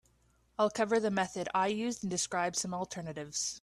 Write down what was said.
I'll cover the method I use and describe some alternatives.